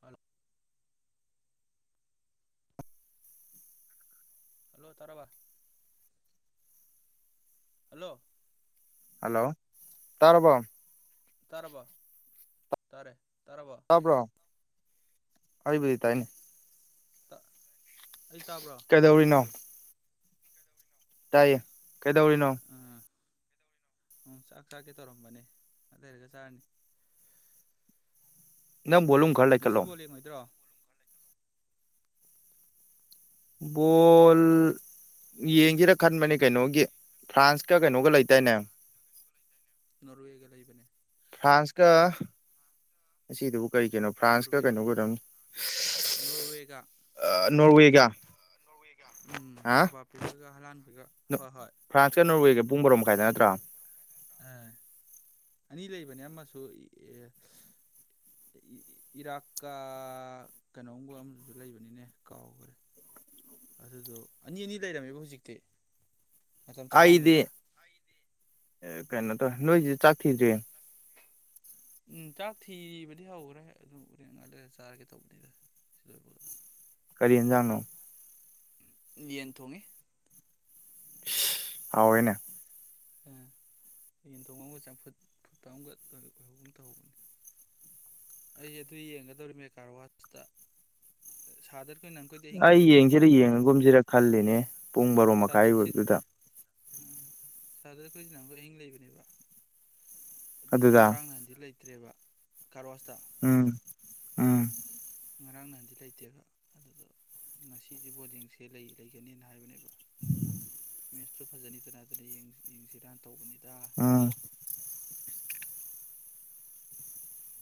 Hello hello ꯇꯥꯔꯕꯥ hello hello ꯇꯥꯔꯕꯔꯕꯣ ꯇꯥꯔꯦꯔꯕ ꯇꯥꯔꯦ ꯇꯥꯔꯕꯣ ꯇꯕ꯭ꯔꯣ ꯍꯥꯏꯕꯗꯤ ꯇꯥꯏꯅꯦ ꯑꯩ ꯇꯥꯕ꯭ꯔꯣ ꯀꯩꯗꯧꯔꯤꯅꯣ ꯑꯩꯉꯥꯡꯁꯦ ꯇꯥꯏꯌꯦ ꯀꯩꯗꯧꯔꯤꯅꯣ ꯎꯝ ꯆꯥꯛ ꯆꯥꯛꯀꯦ ꯇꯧꯔꯝꯕꯅꯦ ꯑꯗꯨ ꯂꯩꯔꯒ ꯆꯥꯔꯅꯤ [inaudible] ꯅꯪ ꯕꯣꯂꯨꯝ ꯈꯔ ꯉꯁꯤ ꯂꯩꯈꯠꯂꯣ ꯕꯣꯜ ꯌꯦꯡꯉꯣꯏꯗ꯭ꯔꯣ ꯕꯣꯜ ꯌꯦꯡꯒꯦꯔ ꯈꯟꯕꯅꯦ ꯀꯩꯅꯣꯒꯤ ꯐ꯭ꯔꯥꯟꯁꯀ ꯀꯩꯅꯣꯒ ꯂꯩꯇꯅꯦ ꯅꯣꯔꯋꯦꯒ ꯂꯩ ꯏꯕꯅꯦ ꯐ꯭ꯔꯥꯟꯁꯀ ꯑꯁꯤꯗꯨ ꯀꯩ ꯀꯩꯅꯣ ꯐ꯭ꯔꯥꯟꯁ ꯀ ꯅꯣꯔꯋꯦꯒ ꯀꯩꯅꯣ ꯀꯗ ꯅꯣꯔꯋꯦꯒ ꯅꯣꯔꯋꯦ ꯀ ꯎꯝ ꯃꯕꯥ ꯄꯒ ꯍꯂꯥꯟ ꯐ꯭ꯔꯥꯟꯁꯀ ꯅꯣꯔꯋꯦꯒ ꯄꯨꯡ ꯃꯔꯔꯣ ꯃꯈꯥꯏꯗ ꯅꯠꯇ꯭ꯔꯥ ꯑꯥ ꯑꯅꯤ ꯂꯩꯕꯅꯦ ꯑꯃꯁꯨ ꯏꯔꯥꯛꯀ ꯀꯩꯅꯣꯝꯕ ꯑꯃꯁꯗꯨꯁꯨ ꯂꯩꯕꯅꯤꯅꯦ ꯀꯥꯎꯈ꯭ꯔꯦ ꯑꯗꯨꯗꯣ ꯑꯅꯤ ꯑꯅꯤ ꯂꯩꯔꯝꯃꯦꯕ ꯍꯧꯖꯤꯛꯇꯤ ꯃꯇꯝꯇꯣ ꯆꯠ ꯃꯅ ꯑꯩꯗꯤ ꯅꯨꯃꯤꯗꯥ ꯀꯩꯅꯣ ꯇꯧ ꯅꯣꯏꯁꯤ ꯆꯥꯛ ꯊꯤꯗ꯭ꯦ ꯎꯝ ꯆꯥꯛ ꯊꯤꯕꯗꯤ ꯍꯧꯈ꯭ꯔꯦ ꯑꯗꯨꯝ ꯎꯔꯦꯟ ꯉ ꯂꯩ ꯆꯥꯔꯒꯦ ꯇꯧꯕꯅꯤꯗ ꯁꯤꯗꯂ ꯀꯔꯤꯅꯖꯥꯅꯣ ꯌꯦꯟ ꯊꯣꯡꯉꯤ ꯑꯥꯎꯣꯏꯅꯦ ꯎꯝ ꯌꯦꯟꯊꯣꯡ ꯑꯃꯒ ꯆꯝꯐꯨꯠ ꯐꯨꯠꯄ ꯑꯃꯒ ꯑꯣꯏꯍꯧꯒꯨꯝ ꯇꯧꯍꯧꯕꯅꯦ ꯑꯩ ꯑꯗꯨ ꯌꯦꯡꯒꯗꯧꯔꯤꯃꯦ ꯀꯥꯔꯋꯥꯁꯇꯗ ꯑꯩ ꯌꯦꯡꯁꯤꯔ ꯌꯦꯡꯉꯒꯨꯝꯁꯤꯔ ꯈꯜꯂꯤꯅꯦ ꯄꯨꯡ ꯕꯥꯔꯣ ꯁꯥꯗꯔꯁꯤ ꯃꯈꯥꯏꯗꯨꯗ ꯁꯥꯔꯗ ꯑꯩꯈꯣꯏ ꯍꯧꯖꯤꯅꯥ ꯑꯃꯨꯈꯛ ꯑꯍꯤꯡ ꯂꯩꯕꯅꯦꯕ ꯑꯗꯨ ꯑꯗꯨꯗ ꯉꯔꯥꯡ ꯅꯍꯥꯟꯗꯤ ꯂꯩꯇ꯭ꯔꯦꯕ ꯀꯥꯔꯣ ꯋꯥꯁꯇ ꯑꯥ ꯉꯔꯥꯡ ꯅꯍꯥꯟꯗꯤ ꯂꯩꯇꯦꯕ ꯑꯗꯨꯗ ꯉꯁꯤꯗꯤ ꯕꯣꯔꯗꯤꯡꯁꯦ ꯂꯩ ꯂꯩꯒꯅꯦꯅ ꯍꯥꯏꯕꯅꯦꯕ ꯎꯝ ꯃꯦꯠꯁꯇꯨ ꯐꯖꯅꯤꯗꯅ ꯑꯗꯨꯅ ꯌꯦꯡꯁꯤ ꯔꯥꯟ ꯇꯧꯕꯅꯤꯗ ꯑꯥ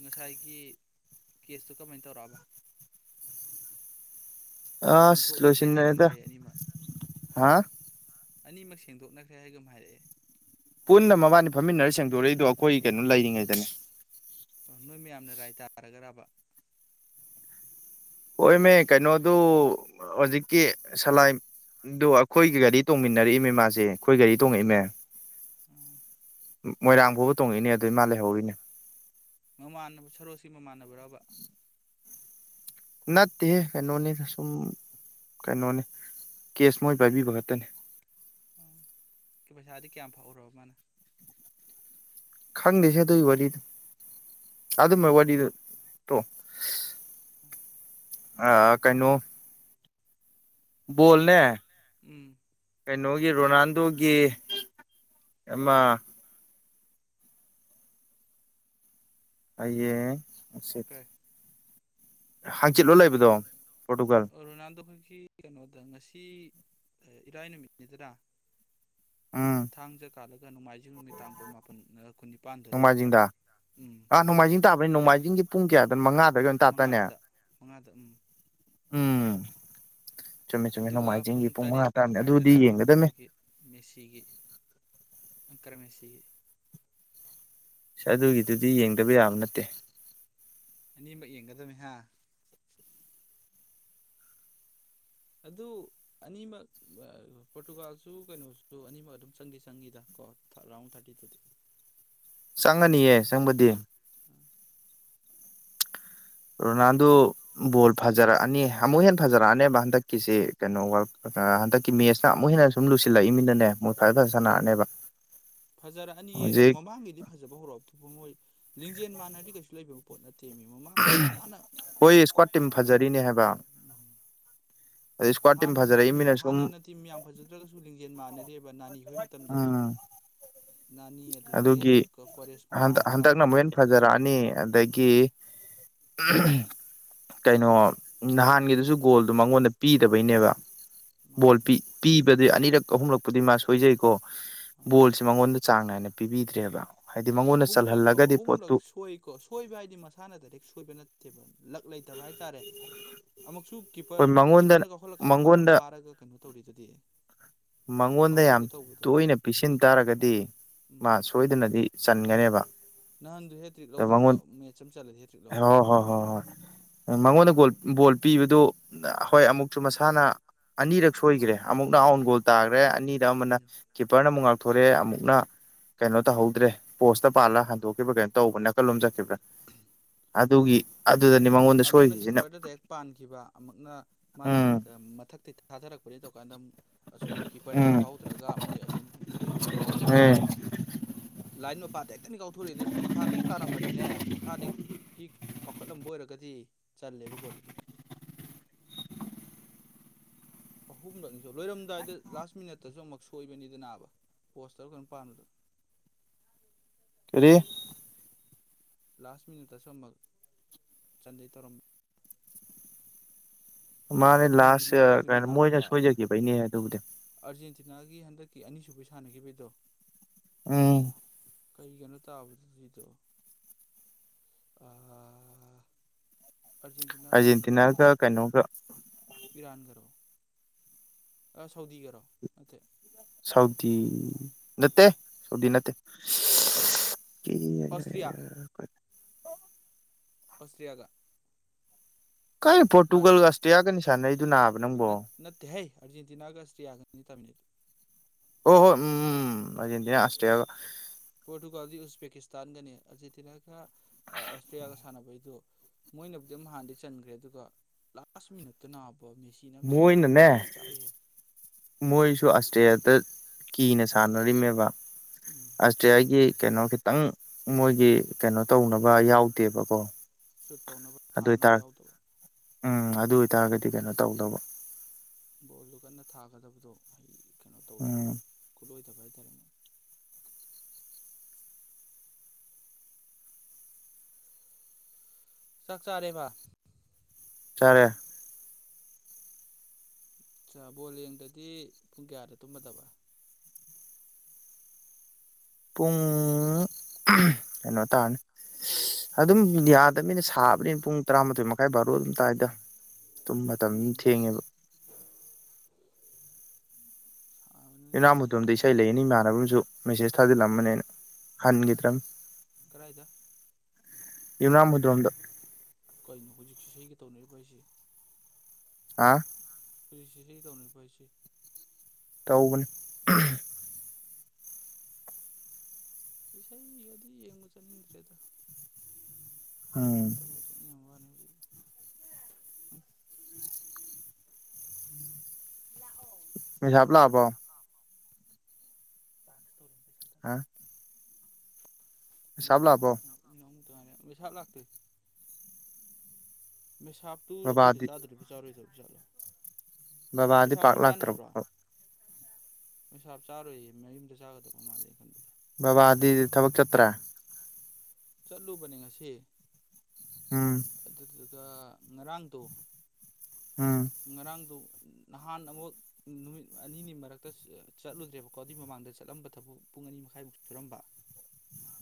ꯉꯁꯥꯏꯒꯤ ꯀꯦꯁꯇꯨ ꯀꯃꯥꯏꯅ ꯇꯧꯔꯛꯑꯕ ꯑ ꯁ ꯆꯥꯝꯊꯣꯛꯅꯈ꯭ꯔꯦ ꯍꯥꯏꯒꯨꯝ ꯂꯣꯁꯤꯅꯗ ꯍꯥꯏꯌꯦ ꯑꯅꯤꯃꯛ ꯍꯥ ꯑꯅꯤꯃꯛ ꯁꯦꯡꯗꯣꯛꯅꯈ꯭ꯔꯦ ꯍꯥꯏꯒ ꯑꯃ ꯍꯥꯏꯔꯛꯑꯦ ꯄꯨꯟꯅ ꯃꯕꯥꯅꯤ ꯐꯝꯃꯤꯟꯅꯔ ꯁꯦꯡꯗꯣꯔꯛꯏꯗꯣ ꯑꯩꯈꯣꯏ ꯀꯩꯅꯣ ꯂꯩꯔꯤꯉꯩꯗꯅꯦ ꯑꯣ ꯅꯣꯏ ꯃꯌꯥꯝꯅ ꯔꯥꯏ ꯇꯥꯔꯒ꯭ꯔꯕ ꯍꯣꯏꯃꯦ ꯀꯩꯅꯣꯗꯨ ꯍꯧꯖꯤꯛꯀꯤ ꯁꯂꯥꯏ ꯑꯗꯣ ꯑꯩꯈꯣꯏꯒꯤ ꯒꯥꯔꯤ ꯇꯣꯡꯃꯤꯟꯅꯔꯛꯏꯃꯦ ꯃꯥꯁꯦ ꯑꯩꯈꯣꯏ ꯒꯥꯔꯤ ꯇꯣꯡꯉꯛꯏꯃꯦ ꯃꯣꯏꯔꯥꯡ ꯐꯥꯎꯕ ꯇꯣꯡꯉꯏꯅꯦ ꯑꯗꯨꯏ ꯃꯥ ꯂꯩꯍꯧꯔꯤꯅꯦ ꯃꯃꯥꯟꯅꯕ ꯁꯔꯣꯁꯤ ꯃꯃꯥꯟꯅꯕ꯭ꯔꯕ ꯅꯅꯥꯠꯇ ꯀꯩꯅꯣꯅꯤ ꯊ ꯁꯨꯝ ꯀꯩꯅꯣꯅꯤ ꯀꯦꯁ ꯃꯣꯏ ꯄꯥꯏꯕꯤꯕ ꯈꯛꯇꯅꯤ ꯎ ꯄꯩꯁꯥꯗꯤ ꯀꯌꯥꯝ ꯐꯥꯎꯎꯔꯕ ꯃꯥꯅ ꯈꯪꯗꯦꯁꯦ ꯑꯗꯨꯒꯤ ꯋꯥꯔꯤꯗ ꯑꯗꯨꯝꯕꯥꯏ ꯋꯥꯔꯤꯗꯨꯣ ꯑꯥ ꯀꯩꯅꯣ ꯣꯜꯅꯦ ꯎꯝ ꯀꯩꯅꯣꯒꯤ ꯔꯣꯅꯥꯜꯗꯣꯒꯤ ꯑꯃ ꯑꯌꯦꯁꯤꯠ ꯀꯩ ꯍꯥꯡꯆꯤꯠꯂꯣ ꯂꯩꯕꯗꯣ ꯄꯣꯔꯇꯨꯒꯜ ꯔꯣꯅꯥꯜꯗꯣꯈꯣꯏꯒꯤ ꯀꯩꯅꯣꯗ ꯉꯁꯤ ꯏꯔꯥꯏ ꯅꯨꯃꯤꯠꯅꯤꯗꯔ ꯎꯝ ꯊꯥꯡꯖꯥ ꯀꯥꯂꯒ ꯅꯣꯡꯃꯥꯏꯖꯤꯡ ꯅꯨꯃꯤꯠ ꯇꯥꯡ ꯀꯨꯟꯃꯄꯟ ꯀꯨꯟꯅꯤꯄꯥꯟꯗ ꯂꯩꯕ ꯍꯥꯏꯇꯥꯔꯦ ꯅꯣꯡꯃꯥꯏꯖꯤꯡꯗ ꯎꯝ ꯑꯥ ꯅꯣꯡꯃꯥꯏꯖꯤꯡ ꯇꯥꯕꯅꯤ ꯅꯣꯡꯃꯥꯏꯖꯤꯡꯁꯦ ꯄꯨꯡ ꯀꯌꯥꯗꯅ ꯃꯉꯥꯗꯒꯤ ꯑꯣꯏꯅ ꯇꯥꯇꯅꯦ ꯃꯉꯥꯗ ꯃꯉꯥꯗ ꯎꯝ [inaudible] ꯑꯗꯨꯒ ꯄꯨꯡ ꯅꯣꯡꯃꯥꯏꯖꯤꯡꯒꯤ ꯇꯔꯦꯠ ꯃꯉꯥ ꯇꯥꯕꯅꯤ ꯑꯗꯨꯗꯤ ꯃꯈꯥꯏꯗꯅ ꯌꯦꯡꯒꯗꯝꯅꯤ ꯑꯩꯈꯣꯏꯒꯤ ꯃꯦꯁꯤꯒꯤ ꯀꯔꯃꯦꯁꯤ ꯁ ꯑꯗꯨꯒꯤꯗꯨꯗꯤ ꯌꯦꯡꯗꯕ ꯌꯥꯕ ꯅꯠꯇꯦ ꯑꯅꯤꯃꯛ ꯌꯦꯡꯒꯗꯅꯤꯍ ꯑꯗꯨ ꯑꯅꯤꯃꯛ ꯄꯣꯔꯇꯨꯒꯥꯜꯁꯨ ꯀꯩꯅꯣꯁꯨ ꯑꯅꯤꯃꯛ ꯑꯗꯨꯝ ꯆꯪꯗꯤ ꯆꯪꯏꯗ ꯔꯥꯎꯟ ꯊꯥꯔꯇꯤꯦ ꯆꯪꯉꯅꯤꯌꯦ ꯆꯪꯕꯗꯤ ꯎꯝ ꯔꯣꯅꯥꯜꯗꯣ ꯕꯣꯜ ꯐꯖꯔꯛꯑꯅꯤ ꯑꯃꯨꯛ ꯍꯦ ꯐꯖꯔꯛꯑꯅꯦꯕ ꯍꯟꯗꯛꯀꯤꯁꯤꯦ ꯀꯩꯅꯣ ꯋꯥꯔꯜ ꯀꯞ ꯍꯟꯗꯛꯀꯤ ꯃꯦꯁꯅ ꯑꯃꯨꯛ ꯍꯦꯟꯅ ꯁꯨꯝ ꯂꯨꯁꯤꯜꯂꯛꯏꯃꯤꯅꯅꯦ ꯃꯣꯏ ꯐꯖ ꯐꯖ ꯎꯝ ꯁꯥꯟꯅꯔꯅꯦꯕ ꯐꯖꯔꯛꯑꯅꯤꯍ ꯑꯦ ꯍꯧꯖꯤꯛ ꯃꯃꯥꯡꯒꯤꯗꯤ ꯐꯖꯕ ꯍꯧꯔꯛꯑꯕ ꯃꯣꯏ ꯂꯤꯡꯖꯦꯜ ꯃꯥꯟꯅꯗꯤ ꯀꯩꯁꯨ ꯂꯩꯕ ꯄꯣꯠ ꯅꯠꯇꯦ ꯍꯣꯏ ꯏꯁꯀ꯭ꯋꯥꯠ ꯇꯤꯝ ꯐꯖꯔꯤꯅꯦ ꯍꯥꯏꯕ ꯑꯗꯩ ꯏꯁꯀ꯭ꯋꯥꯠ ꯇꯤꯝ ꯍꯥꯟꯅꯇꯤꯝ ꯐꯖꯔꯛꯏꯃꯤꯅ ꯁꯨꯝ ꯍꯥꯟꯅꯅꯇꯤꯝ ꯌꯥꯝ ꯐꯖꯗ꯭ꯔꯒꯁꯨ ꯂꯤꯡꯖꯦꯜ ꯃꯥꯟꯅꯔꯦꯑꯕ ꯅꯥꯅꯤꯈꯣꯏ ꯃꯇꯝꯗꯗꯤ [inaudible] ꯅꯥꯅꯤ ꯑꯗꯨꯗꯤ ꯑꯗꯨꯒꯤ ꯀꯣꯔꯦꯁꯃꯥ ꯍꯟꯗꯛ ꯍꯥꯏꯕ꯭ꯔꯥ ꯍꯟꯗꯛꯅ ꯑꯃꯨꯛ ꯌꯥꯎ ꯍꯦꯟꯅ ꯃꯇꯝꯗꯣ ꯐꯖꯔꯛꯑꯅꯤ ꯑꯗꯒꯤ ꯎꯝ ꯀꯩꯅꯣ ꯅꯍꯥꯟꯒꯤꯗꯨꯁꯨ ꯒꯣꯜꯗꯨꯣ ꯃꯉꯣꯟꯗ ꯄꯤꯗꯕꯩꯅꯦꯕ ꯕꯣꯜ ꯃꯥꯅꯦ ꯄꯤꯕꯗꯤ ꯑꯅꯤꯔꯛ ꯑꯍꯨꯝꯂꯛꯄꯨꯗꯤ ꯃꯥ ꯁꯣꯏꯖꯩꯀꯣ ꯎꯝ ꯕꯣꯜꯁꯦ ꯃꯉꯣꯟꯗ ꯆꯥꯡ ꯅꯥꯏꯅ ꯄꯤꯕꯤꯗ꯭ꯔꯦꯕ ꯍꯥꯏꯗꯤ ꯃꯉꯣꯟꯗ ꯑꯍꯨꯝꯂꯛ ꯑ ꯆꯜꯍꯜꯂꯒꯗꯤ ꯄꯣꯠꯇꯨ ꯑꯍꯨꯝꯂꯛ ꯁꯣꯏꯀꯣ ꯁꯣꯏꯕ ꯍꯥꯏꯗꯤ ꯃꯁꯥꯅ ꯗꯥꯏꯔꯦꯛ ꯁꯣꯏꯕ ꯅꯠꯇꯦ ꯂꯛ ꯂꯩꯇꯕ ꯍꯥꯏꯇꯥꯔꯦ ꯑꯃꯨꯛꯁꯨ ꯍꯣꯏ ꯀꯤꯞꯄꯔ ꯃꯉꯣꯟꯗ ꯀꯤꯞꯄꯔꯅ ꯀꯥꯎꯈꯠꯂꯀꯥꯟꯗ ꯃꯥꯅ ꯃꯉꯣꯟꯗ ꯐꯥꯔꯒ ꯀꯩꯅꯣ ꯇꯧꯔꯤꯗꯨꯗꯤ ꯃꯉꯣꯟꯗ ꯌꯥꯝ ꯀꯥꯎꯁꯟꯒꯦ ꯇꯧꯕꯗꯣ ꯇꯣꯏꯅ ꯎꯝ ꯄꯤꯁꯤꯟ ꯇꯥꯔꯒꯗꯤ ꯎꯝ ꯃꯥ ꯁꯣꯏꯗꯅꯗꯤ ꯆꯟꯒꯅꯦꯕ ꯅꯍꯥꯟꯗꯨ ꯍꯦꯇ꯭ꯔꯤꯛ ꯑꯗꯣ ꯂꯧꯗꯧꯕ ꯃꯉꯣꯟ ꯃꯦꯠꯆ ꯑꯃ ꯆꯠꯂꯗꯤ ꯍꯦꯇ꯭ꯔꯤꯛ ꯂꯧꯔꯦ ꯍꯣꯏ ꯀꯩꯅꯣ ꯍꯣꯏ ꯍꯣꯏ ꯍꯣꯏ ꯃꯉꯣꯟꯗ ꯒꯣꯜ ꯕꯣꯜ ꯄꯤꯕꯗꯨ ꯍꯣꯏ ꯑꯃꯨꯛꯁꯨ ꯃꯁꯥꯅ ꯑꯅꯤꯔꯛ ꯁꯣꯏꯒꯔꯦ ꯑꯃꯨꯛꯅ ꯑꯥꯎꯟ ꯒꯣꯜ ꯇꯥꯔꯦ ꯗꯩ ꯑꯅꯤꯗ ꯑꯃꯅ ꯎꯝ ꯀꯤꯞꯄꯔꯅ ꯑꯃꯨꯛ ꯉꯥꯛꯊꯣꯔꯛꯑꯦ ꯑꯃꯨꯛꯅ ꯀꯩꯅꯣ ꯇꯧꯍꯧꯗ꯭ꯔꯦ ꯄꯣꯁꯇ ꯄꯥꯜꯂ ꯍꯟꯗꯣꯛꯈꯤꯕꯥ ꯀꯩꯅꯣ ꯇꯧꯕ ꯅꯥꯀꯟ ꯂꯣꯝ ꯆꯠꯈꯤꯕ꯭ꯔꯥ ꯑꯗꯨꯒꯤ ꯑꯠ ꯑꯃꯨꯛꯅ ꯀꯤꯞꯄꯔꯗ ꯗꯥꯏꯔꯦꯛ ꯄꯥꯟꯈꯤꯕ ꯑꯃꯨꯛꯅ ꯃꯥꯅ ꯎꯝ ꯀ ꯃꯊꯛꯇꯩ ꯊꯥꯗꯔꯛ ꯐꯣꯔꯦ ꯇꯧꯀꯥꯟꯗ ꯑꯁꯣꯝꯒꯤ ꯀꯤꯞꯄꯔꯅꯗꯤ ꯎꯝ ꯐꯥꯍꯧꯗ꯭ꯔꯒ ꯃꯣꯏ ꯑꯁꯣꯝ ꯗꯤꯐꯦꯟꯗꯔꯅ ꯀꯥꯎꯊꯣꯔꯛꯄ ꯎ [inaudible] ꯂꯥꯏꯟ ꯃꯄꯥꯗ ꯍꯦꯛꯇꯅꯤ ꯀꯥꯎꯊꯣꯔꯛꯏꯗꯨꯖꯨ ꯃꯈꯥꯗ ꯇꯥꯔꯝꯃꯗꯤꯅꯦ ꯃꯈꯥꯗ ꯒꯤ ꯀꯥꯎꯈꯠꯂꯝꯕ ꯑꯣꯏꯔ ꯗꯤ ꯆꯜꯂꯦꯕ ꯒꯣꯜꯗꯣ ꯗꯨꯝ ꯑꯍꯨꯝꯂꯛꯅꯤꯁꯨ ꯂꯣꯏꯔꯝꯗꯥꯏꯗ ꯂꯥꯁ ꯃꯤꯅꯠꯇꯁꯨ ꯑꯃꯛ ꯁꯣꯏꯕꯅꯤꯗ ꯅꯥꯕ ꯄꯣꯁ ꯇꯔ ꯀꯩꯅꯣꯝ ꯄꯥꯟꯕꯥꯗꯨ ꯔꯦ ꯂꯥꯁ ꯃꯤꯅꯤꯠꯇꯁꯨ ꯑꯃꯛ ꯆꯥꯟꯗꯩ ꯇꯧꯔꯝ ꯑꯁ ꯃꯥꯅꯦ ꯂꯥꯁ ꯑꯥ ꯑꯥꯔꯖꯦꯟꯇꯤꯅꯥꯒꯤꯗꯨꯅꯤ ꯃꯣꯏꯅ ꯅꯥꯕ ꯁꯣꯏꯖꯈꯤꯕꯩꯅꯦ ꯑꯗꯨꯕꯨꯗꯤ ꯆꯤꯅꯥꯒꯤ ꯍꯟꯗꯛꯀꯤ ꯑꯅꯤꯁꯨꯕꯩ ꯁꯥꯟꯅꯈꯤꯕꯩꯗꯣ ꯎꯝ ꯀꯩꯒꯅꯣ ꯇꯥꯕꯗꯨ ꯁꯤꯗꯣ [inaudible] ꯀꯩꯅꯣꯝꯒ ꯑꯔꯖꯦꯟꯇꯤꯅꯥꯒ ꯇꯥ ꯀꯅꯣꯒ ꯏꯔꯥꯟꯒꯔꯣ ꯁꯥꯎꯗꯤꯒꯔꯣ ꯅꯠꯇꯦ ꯁꯥꯎꯗꯤ ꯅꯠꯇꯦ ꯁꯥꯎꯗꯤ ꯅꯠꯇꯦ ꯁ ꯑꯁꯇ꯭ꯔꯤꯌꯥ ꯀ [inaudible] ꯑꯁꯇꯔꯤꯌꯥꯒ ꯀꯥꯏ ꯄꯣꯔꯇꯨꯒꯜꯒ ꯑꯁꯇꯔꯤꯌꯥꯒꯅꯤ ꯁꯥꯟꯅꯩ ꯅꯠ ꯅꯠꯇꯦꯍꯩ ꯑꯔꯖꯦꯟꯇꯤꯅꯥꯒ ꯑꯁꯇꯔꯤꯌꯥꯅꯤ ꯇꯥꯃꯤꯟꯅꯩꯗꯣ ꯑꯣ ꯍꯣꯏ ꯎꯝ ꯎꯝ ꯑꯔꯖꯦꯟꯇꯤꯅꯥ ꯑꯁꯇ꯭ꯔꯤꯌꯥꯒ ꯄꯣꯔꯇꯨꯒꯥꯜꯗꯤ ꯎꯖꯕꯦꯀꯤꯁꯇꯥꯟꯒꯅꯤ ꯑꯥꯔꯖꯦꯟꯇꯤꯅꯥꯒ ꯑꯁꯇ꯭ꯔꯤꯌꯥꯒ ꯁꯥꯟꯅꯕꯩꯗꯨ ꯃꯣꯏꯅꯕꯨꯗꯤ ꯑꯃ ꯍꯥꯟꯗꯤ ꯆꯟꯒꯔꯦ ꯑꯗꯨꯒ ꯂꯥꯁ ꯃꯤꯅꯠꯇꯨꯅ ꯃꯣꯏꯅꯅꯦ ꯃꯣꯏꯁꯨ ꯑꯁꯇꯔꯤꯌꯥꯗ ꯀꯤꯅ ꯁꯥꯟꯅꯔꯤꯃꯦꯕ ꯎꯝ ꯑꯁꯇ꯭ꯔꯤꯌꯥꯒꯤ ꯀꯩꯅꯣ ꯈꯤꯇꯪ ꯃꯣꯏꯒꯤ ꯀꯩꯅꯣ ꯇꯧꯅꯕ ꯌꯥꯎꯗꯦꯕꯀꯣ ꯁꯨꯠ ꯇꯧꯅꯕ ꯑꯗꯨ ꯊꯥꯅꯕ ꯑꯣꯏꯇꯥꯔ ꯌꯥꯎꯗꯦ ꯎꯝ ꯑꯗꯨ ꯑꯣꯏꯇꯥꯔꯒꯗꯤ ꯀꯩꯅꯣ ꯇꯧꯗꯧꯕ ꯕꯣꯜꯗꯨ ꯀꯟꯅ ꯊꯥꯒꯗꯕꯗꯣ ꯑꯩ ꯀꯩꯅꯣ ꯇꯧꯗꯕ ꯎꯝ ꯈꯨꯠꯂꯣꯏ ꯗꯕꯍꯥꯏꯇꯥꯔꯦ꯫ ꯆꯥꯛꯆꯥꯔꯦꯕ ꯆꯥꯔꯦ ꯆꯥꯥ ꯕꯣꯜ ꯌꯦꯡꯗꯗꯤ ꯄꯨꯡ ꯀꯌꯥꯗ ꯇꯨꯝꯃꯗꯕ ꯄꯨꯡ ꯎꯝ ꯀꯩꯅꯣ ꯇꯥꯔꯅꯤ ꯁ ꯑꯗꯨꯝ ꯏꯟꯗꯤꯌꯥꯗꯅꯤꯅ ꯁꯥꯕꯅꯤꯅ ꯄꯨꯡ ꯇꯔꯥꯃꯥꯊꯣꯏ ꯃꯈꯥꯏ ꯕꯥꯔꯣ ꯑꯗꯨꯝ ꯇꯥꯏꯗ ꯇꯨꯝ ꯃꯇꯝ ꯑꯝ ꯎꯝ ꯊꯦꯡꯉꯦꯕ ꯁꯥꯕꯅꯤꯅ ꯌꯨꯝꯅꯥꯝ ꯃꯨꯇꯨꯝꯗ ꯌꯥꯗꯕꯅꯤ ꯏꯁꯩ ꯂꯩꯌꯦꯅꯤ ꯏꯃꯥꯟꯅꯕꯝꯁꯨ ꯃꯦꯁꯦꯖ ꯊꯥꯖꯤꯜꯂ ꯑꯝꯕꯅꯤ ꯑꯩꯅ ꯍꯟꯒꯤꯗ꯭ꯔꯝ ꯀꯔꯥꯏꯗ ꯌꯨꯝꯅꯥꯝ ꯍꯨꯏꯗꯔꯣꯝꯗ ꯀꯩꯅꯣ ꯍꯧꯖꯤꯛꯁꯩꯒ ꯇꯧꯅꯔꯤꯕ ꯍꯥꯏꯁꯦ ꯑꯥ ꯐꯔꯤꯁꯦ ꯏꯁꯩ ꯇꯧꯅꯤ ꯄꯥꯏꯁꯤ ꯇꯧꯒꯅꯤ ꯏꯁꯩ ꯃꯤꯒꯗꯤ ꯌꯦꯡꯕ ꯆꯥꯅꯤꯡꯗ꯭ꯔꯦꯗ ꯎꯝ ꯍꯗꯕꯨ ꯃꯅꯤ ꯃꯤꯁꯥꯕ ꯂ ꯍꯥꯕ ꯇꯁꯨ ꯇ ꯍꯥ ꯊꯅ ꯁꯕ ꯂꯥꯛꯇꯣꯏ ꯃꯦꯁꯥꯞꯇꯨ ꯑꯩꯈꯣꯏꯗ ꯕꯕꯥꯗꯤ ꯆꯥꯗꯣꯔꯤꯕ ꯆꯥꯔꯣꯏꯗꯔꯤꯕꯖꯥꯠꯂꯣ ꯕꯕꯥꯗꯤ ꯄꯥꯛ ꯂꯥꯛꯇ꯭ꯔꯕ ꯄꯁꯥꯞ ꯆꯥꯔꯣꯏꯌꯦ ꯃꯌꯨꯝꯗ ꯆꯥꯒꯗꯕ ꯃ ꯃꯥꯜꯂꯦ ꯈꯟꯕꯗ ꯕꯕꯥꯗꯤ ꯊꯕꯛ ꯆꯠꯇ꯭ꯔꯥ ꯆꯠꯂꯨꯕꯅꯦ ꯉꯁꯤ ꯎꯝ ꯑ ꯉꯔꯥꯡꯗꯣ ꯎꯝ ꯉꯔꯥꯡꯗꯣ ꯅꯍꯥꯟ ꯑꯃꯨꯛ ꯅꯨꯃꯤꯠ ꯑꯅꯤꯅꯤ ꯃꯔꯛꯇ ꯆꯠꯂꯨꯗ꯭ꯔꯦꯕꯀꯣ ꯑꯗꯨꯏ ꯃꯃꯥꯡꯗ ꯆꯠꯂꯝꯕ ꯊꯕꯛ ꯄꯨꯡ ꯑꯅꯤ ꯃꯈꯥꯏꯃꯨꯛ ꯁꯨꯔꯝꯕ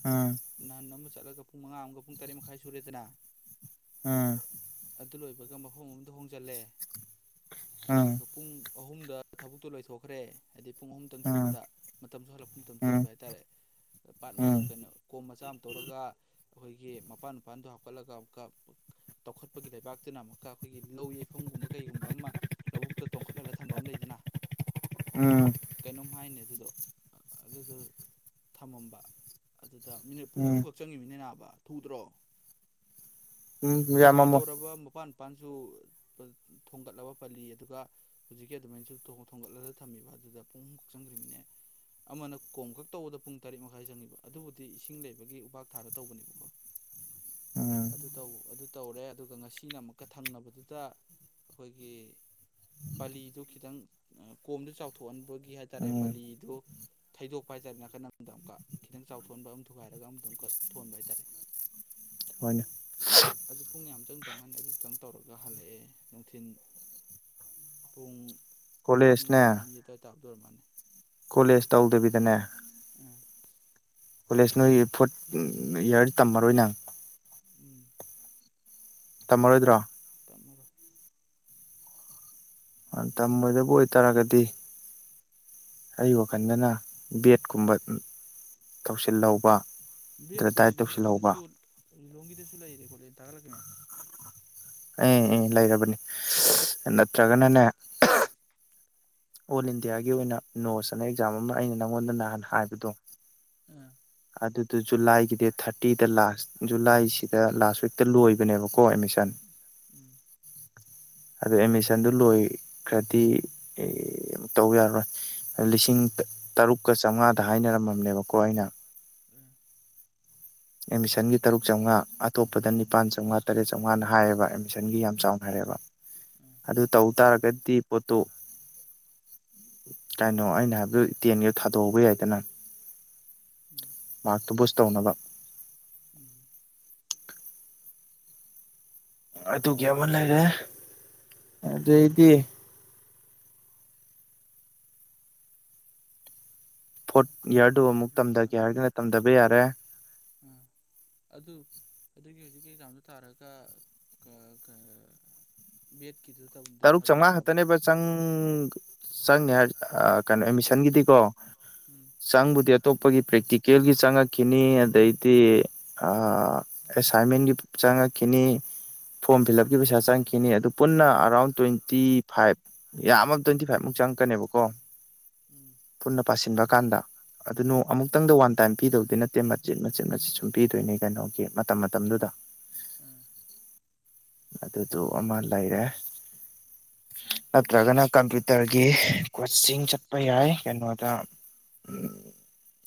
ꯎꯝ ꯅꯍꯥꯟ ꯑꯃ ꯆꯠꯂꯒ ꯄꯨꯡ ꯃꯉꯥ ꯑꯃꯒ ꯄꯨꯡ ꯇꯔꯦꯠ ꯃꯈꯥꯏ ꯁꯨꯔꯦꯗꯅ ꯑꯝ ꯑꯗꯨ ꯂꯣꯏꯕꯒ ꯃꯐꯝ ꯑꯃꯗ ꯍꯣꯡꯖꯜꯂꯦ ꯎꯝ ꯑꯗꯨꯒ ꯄꯨꯡ ꯑꯍꯨꯝꯗ ꯊꯕꯛꯇꯨ ꯂꯣꯏꯊꯣꯛꯈ꯭ꯔꯦ ꯍꯥꯏꯗꯤ ꯄꯨꯡ ꯑꯍꯨꯝꯇꯪ ꯎꯝ ꯁꯨꯕꯗ ꯃꯇꯝꯁꯨ ꯍꯜꯂꯛꯄ ꯃꯇꯝꯁꯨ ꯎꯝ ꯑꯣꯏꯕ ꯍꯥꯏꯇꯥꯔꯦ ꯄꯥꯠ ꯎꯝ ꯀꯩꯅꯣ ꯀꯣꯝ ꯃꯆꯥ ꯑꯃ ꯇꯧꯔꯒ ꯑꯩꯈꯣꯏꯒꯤ ꯃꯄꯥꯟ ꯃꯄꯥꯟꯗꯣ ꯍꯥꯞꯀꯠꯂꯒ ꯑꯃꯨꯛꯀ ꯇꯧꯈꯠꯄꯒꯤ ꯂꯩꯕꯥꯛꯇꯨꯅ ꯑꯃꯨꯛꯀ ꯑꯩꯈꯣꯏꯒꯤ ꯂꯧ ꯌꯩꯐꯝꯒꯨꯝꯕ ꯀꯩꯒꯨꯝꯕ ꯑꯃ ꯂꯧꯕꯨꯛꯇ ꯇꯣꯡꯈꯠꯍꯜꯂꯒ ꯊꯝꯕ ꯑꯃ ꯂꯩꯗꯅ [inaudible] ꯀꯩꯅꯣꯝ ꯍꯥꯏꯅꯦ ꯑꯗꯨꯗꯣ ꯑꯗꯨꯗꯣ ꯊꯝꯃꯝꯕ ꯑꯗꯨ ꯑ ꯃꯤꯅꯤꯠ ꯄꯨꯡ ꯎꯝ ꯑꯍꯨꯝꯈꯛ ꯆꯪꯉꯤꯃꯤꯅꯤ ꯅꯥꯕ ꯊꯨꯗ꯭ꯔꯣ ꯎꯝ ꯀꯣꯝꯁꯨ ꯌꯥꯝꯃꯝꯃꯣ ꯇꯧꯔꯕ ꯃꯄꯥꯟ ꯃꯄꯥꯟꯁꯨ ꯊꯣꯡꯒꯠꯂꯕ ꯄꯜꯂꯤ ꯑꯗꯨꯒ ꯍꯧꯖꯤꯛꯀꯤ ꯑꯗꯨꯃꯥꯏꯅꯁꯨ ꯊꯣꯡꯒꯠꯂꯒ ꯊꯝꯃꯤꯕ ꯑꯗꯨꯗ ꯄꯨꯡ ꯀꯛ ꯆꯪꯈ꯭ꯔꯤꯕꯃꯤꯅꯦ ꯑꯃꯅ ꯀꯣꯝ ꯈꯛ ꯇꯧꯕꯗ ꯄꯨꯡ ꯇꯔꯦꯠ ꯃꯈꯥꯏ ꯆꯪꯉꯤꯕ ꯑꯗꯨꯕꯨꯗꯤ ꯏꯁꯤꯡ ꯂꯩꯕꯒꯤ ꯎꯄꯥꯛ ꯊꯥꯕ ꯇꯧꯕꯅꯦꯕꯀꯣ ꯎꯝ ꯑꯗꯨ ꯇꯧ ꯑꯗꯨ ꯇꯧꯔꯦ ꯑꯗꯨꯒ ꯉꯁꯤꯅ ꯑꯃꯨꯛꯀ ꯊꯪꯅꯕꯗꯨꯗ ꯑꯩꯈꯣꯏꯒꯤ ꯄꯥꯂꯤꯗꯨ ꯈꯤꯇꯪ ꯀꯣꯝꯗꯨ ꯆꯥꯎꯊꯣꯛꯍꯟꯕꯒꯤ ꯍꯥꯏ ꯇꯔꯦ ꯎꯝ ꯄꯥꯂꯤꯗꯨ ꯊꯩꯗꯣꯛꯄ ꯍꯥꯏꯇꯥꯔꯦ ꯅꯥꯀꯟ ꯑꯃꯗ ꯑꯃꯨꯛꯀ ꯈꯤꯇꯪ ꯆꯥꯎꯊꯣꯟꯕ ꯑꯃ ꯊꯨꯒꯥꯏꯔꯒ ꯑꯃꯝ ꯑꯃꯛ ꯊꯣꯟꯕꯇꯥꯔꯦ ꯍꯅꯤꯣ ꯑꯗꯨ ꯄꯨꯡ ꯌꯥꯝ ꯆꯪꯗ ꯃꯥꯜꯅꯤ ꯑꯗꯨꯇꯪ ꯇꯧꯔꯒ ꯍꯜꯂꯛꯑꯦ ꯅꯨꯡꯊꯤꯜ ꯄꯨꯡ ꯑꯞꯃ ꯀꯣꯂꯦꯖꯅꯦ ꯅ ꯇ ꯇꯥꯞꯗꯣꯏꯔꯝ ꯃꯥꯅꯦ ꯀꯣꯂꯦꯖ ꯇꯧꯗꯕꯤꯗꯅꯦ ꯎꯝ ꯀꯣꯂꯦꯖ ꯅꯣꯏ ꯐꯣꯔꯠ ꯏꯌꯥꯔꯁ ꯇꯝꯃꯔꯣꯏ ꯅꯪ ꯎꯝ ꯇꯝꯃꯔꯣꯏꯗ꯭ꯔꯣ ꯇꯃꯔꯣ ꯇꯝꯃꯣꯏꯗꯕꯨ ꯑꯣꯏꯇꯥꯔꯒꯗꯤ ꯑꯩ ꯋꯥꯈꯜꯗꯅ ꯕꯦꯠꯀꯨꯝꯕ ꯊꯧꯁꯤꯜꯍꯧꯕ ꯕꯦꯠ ꯇ ꯂꯗ ꯁ ꯂꯪꯗ ꯁꯂꯥꯏꯔꯦ ꯀꯣꯂ ꯊ ꯂ ꯀꯦ ꯃ ꯑꯦ ꯂꯩꯔꯕꯅꯤ ꯅꯠꯇ꯭ꯔꯒꯅꯅꯦ ꯑꯣꯜ ꯏꯟꯗꯤꯌꯥꯒꯤ ꯑꯣꯏꯅ ꯅꯣꯁ ꯑꯅ ꯑꯦꯛꯖꯥꯝ ꯑꯃ ꯑꯩꯅ ꯅꯪꯉꯣꯟꯗ ꯅꯍꯥꯟ ꯍꯥꯏꯕꯗꯣ ꯑꯥ ꯑꯗꯨꯗ ꯖꯨꯂꯥꯏꯒꯤ ꯗꯦꯠ ꯊꯥꯔꯇꯤꯗ ꯂꯥꯁ ꯖꯨꯂꯥꯏꯁꯤꯗ ꯂꯥꯁ ꯋꯤꯛꯇ ꯂꯣꯏꯕꯅꯦꯕꯀꯣ ꯑꯣꯣ ꯑꯦꯃꯤꯁꯟ ꯎꯝ ꯑꯗꯣ ꯑꯦꯠꯃꯤꯁꯟꯗꯨ ꯂꯣꯏꯈ꯭ꯔꯗꯤ ꯇꯧ ꯌꯥꯔꯔꯣꯏ ꯂꯤꯁꯤꯡ ꯇꯔꯨꯛꯀ ꯆꯥꯝꯃꯉꯥꯗ ꯍꯥꯏꯅꯔꯝꯃꯕꯅꯦꯕꯀꯣ ꯑꯩꯅ ꯎꯝ ꯑꯦꯃꯤꯁꯟꯒꯤ ꯇꯔꯨꯛ ꯆꯥꯝꯃꯉꯥ ꯑꯇꯣꯞꯄꯗ ꯅꯤꯄꯥꯥꯟ ꯆꯥꯝꯃꯉꯥ ꯇꯔꯦꯠ ꯆꯥꯝꯃꯉꯥꯅ ꯍꯥꯏꯌꯦꯕ ꯑꯦꯠꯃꯤꯁꯟꯒꯤ ꯌꯥꯝ ꯆꯥꯎꯅ ꯍꯥꯏꯔꯌꯦꯦꯕ ꯎꯝ ꯑꯗꯨ ꯇꯧ ꯇꯥꯔꯒꯗꯤ ꯄꯣꯠꯇꯨ ꯀꯩꯅꯣ ꯑꯩꯅ ꯍꯥꯏꯕꯗ ꯇꯦꯟꯒꯤ ꯊꯥꯗꯣꯛꯍꯧꯕ ꯌꯥꯏꯗꯅ ꯎꯝ ꯃꯥꯛꯇ ꯄꯨꯁꯧꯅꯗꯣ ꯎꯝ ꯑꯗꯨꯒꯤ ꯑꯃ ꯂꯩꯔꯦ ꯑꯗꯨꯩꯗꯤ ꯐꯣꯔꯠ ꯎꯝ ꯏꯌꯥꯔꯗꯨ ꯌꯥꯏ ꯑꯃꯨꯛ ꯑꯗꯨꯝ ꯇꯝꯊꯒꯦ ꯇꯧꯁꯟꯕ ꯍꯥꯏꯔꯒꯅ ꯇꯝꯊꯕ ꯌꯥꯔꯦ ꯑꯥ ꯑꯗꯨ ꯑꯗꯨꯒꯤ ꯍꯧꯖꯤꯛꯀꯤ ꯑꯦꯛꯖꯥꯝꯗꯨ ꯊꯥꯔꯒ ꯕꯤꯠ ꯇꯔꯨꯛ ꯆꯥꯝꯃꯉꯥ ꯈꯛꯇꯅꯦꯕ ꯆꯪ ꯆꯪꯅꯤ ꯍꯥꯏ ꯀꯩꯅꯣ ꯑꯦꯗꯃꯤꯁꯟꯒꯤꯗꯤꯀꯣ ꯎꯝ ꯆꯥꯡꯪꯕꯨꯗꯤ ꯑꯇꯣꯞꯄꯒꯤ ꯄ꯭ꯔꯦꯛꯇꯤꯀꯦꯜꯒꯤ ꯆꯪꯉꯛꯈꯤꯅꯤ ꯑꯗꯩꯗꯤ ꯑꯦꯁꯥꯏꯟꯃꯦꯟꯒꯤ ꯆꯪꯉꯛꯈꯤꯅꯤ ꯐꯣꯔꯝ ꯐꯤꯜꯞꯀꯤ ꯄꯩꯁꯥ ꯆꯪꯈꯤꯅꯤ ꯑꯗꯨ ꯄꯨꯟꯅ ꯑꯔꯥꯎꯟ ꯇ꯭ꯋꯦꯟꯇꯤ ꯐꯥꯏꯚ ꯌꯥꯝꯃ ꯇ꯭ꯋꯦꯟꯇꯤ ꯐꯥꯏꯚꯃꯨꯛ ꯆꯪꯉꯛꯀꯅꯦꯕꯀꯣ ꯄꯨꯟꯅ ꯄꯥꯁꯤꯟꯕ ꯀꯥꯟꯗ ꯑꯗꯨꯣ ꯑꯃꯨꯛꯇꯪꯗ ꯋꯥꯟ ꯇꯥꯏꯝ ꯄꯤꯗꯧꯗꯤꯣꯏ ꯅꯠꯇꯦ ꯃꯆꯦꯠ ꯃꯆꯦꯠ ꯃꯆꯦꯠ ꯁꯨꯝ ꯄꯤꯗꯣꯏꯅꯦ ꯀꯩꯅꯣꯒꯤ ꯃꯇꯝ ꯃꯇꯝꯗꯨꯗ ꯎꯝ ꯑꯗꯨꯗꯣ ꯑꯃ ꯂꯩꯔꯦ ꯅꯠꯇ꯭ꯔꯒꯅ ꯀꯝꯄ꯭ꯌꯨꯇꯔꯒꯤ ꯀꯣꯆꯤꯡ ꯆꯠꯄ ꯌꯥꯏ ꯀꯩꯅꯣꯗ ꯎꯝ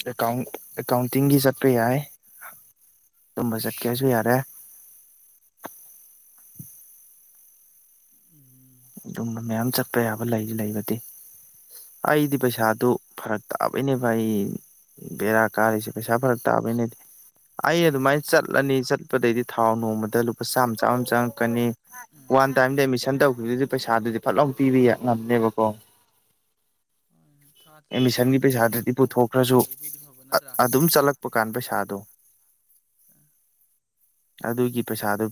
ꯑꯦꯀ ꯑꯦꯀꯥꯎꯟꯇꯤꯡꯒꯤ ꯆꯠꯄ ꯌꯥꯏ ꯇꯨꯝꯕ ꯆꯠꯀꯦꯁꯨ ꯌꯥꯔꯦ ꯑꯗꯨꯝ ꯑꯩ ꯑꯗꯨꯃꯥꯏꯅ ꯑꯗꯨꯝꯕ ꯃꯌꯥꯝ ꯆꯠꯄ ꯌꯥꯕ ꯂꯩ ꯂꯩꯕꯗꯤ ꯑꯩꯗꯤ ꯄꯩꯁꯥꯗꯨ ꯐꯔꯛ ꯇꯥꯕꯩꯅꯦꯕ ꯑꯩ ꯕꯦꯔꯥꯛ ꯀꯥꯔꯔꯤꯁꯤ ꯄꯩꯁꯥ ꯐꯔꯛ ꯇ ꯅꯗꯤꯦ ꯑꯩ ꯑꯗꯨꯃꯥꯏꯅ ꯆꯠꯂꯅꯤ ꯆꯠꯄꯗꯩꯗꯤ ꯊꯥꯎ ꯅꯣꯡꯃꯗ ꯂꯨꯄꯥ ꯆꯥꯝꯃ ꯆꯥꯝꯃ ꯑꯃ ꯆꯪꯉꯛꯀꯅꯤ ꯋꯥꯟ ꯇꯥꯏꯝꯗ ꯑꯦꯗꯃꯤꯁꯟ ꯇꯧꯈꯤꯕꯗꯨꯗꯤ ꯄꯩꯁꯥꯗꯨꯗꯤ ꯐꯠꯂꯥꯎ ꯄꯤꯕ ꯉꯝꯅꯦꯕꯀꯣ ꯑꯦꯗꯃꯤꯁꯟꯒꯤ ꯄꯩꯁꯥꯗꯨꯗꯤ ꯊꯥꯗꯕꯤꯅꯕꯗꯨ ꯄꯞ ꯐꯣꯞ ꯇꯥꯅ ꯄꯨꯊꯣꯛꯈ꯭ꯔꯁꯨ ꯂꯩꯕꯣꯏꯗꯤ ꯐꯕ ꯅꯠꯇ꯭ꯔꯥ ꯑꯗꯨꯝ ꯆꯠꯂꯛꯄ ꯀꯥꯟ ꯄꯩꯁꯥꯗꯣ ꯑꯗꯨꯒꯤ ꯄꯩꯁꯥꯗꯨ